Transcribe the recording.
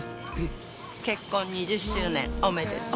結婚２０周年おめでとう。